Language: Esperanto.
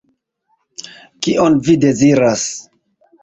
Kion vi deziras?